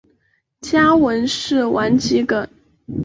家纹是丸桔梗。